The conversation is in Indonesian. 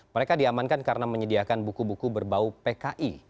mereka diamankan karena menyediakan buku buku berbau pki